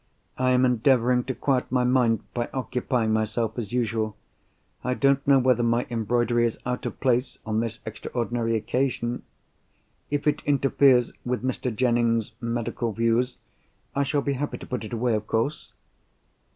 I am endeavouring to quiet my mind by occupying myself as usual. I don't know whether my embroidery is out of place, on this extraordinary occasion. If it interferes with Mr. Jennings's medical views, I shall be happy to put it away of course."